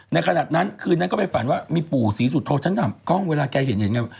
ขนาดนั้นคืนนั้นก็ไปฝันว่ามีปู่ศรีสุโธฉันถามกล้องเวลาแกเห็นเห็นไง